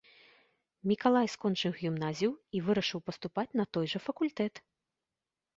Мікалай скончыў гімназію і вырашыў паступаць на той жа факультэт.